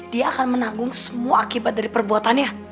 dia akan menanggung semua akibat dari perbuatannya